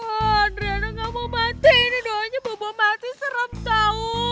adriana gak mau mati ini doanya bobo masih serem tau